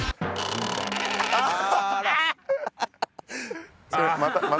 あっ！